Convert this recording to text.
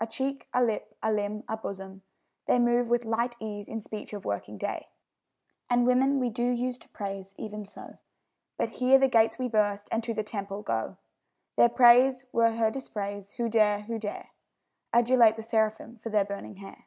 A cheek, a lip, a limb, a bosom, they Move with light ease in speech of working day; And women we do use to praise even so. But here the gates we burst, and to the temple go. Their praise were her dispraise; who dare, who dare, Adulate the seraphim for their burning hair?